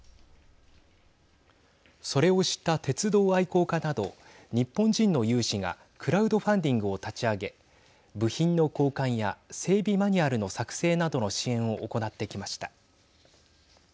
それを知った鉄道愛好家など日本人の有志がクラウドファンディングを立ち上げ、部品の交換や整備マニュアルの作成などの支援を行ってきました。